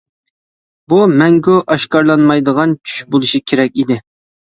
بۇ مەڭگۈ ئاشكارىلانمايدىغان چۈش بولۇشى كېرەك ئىدى.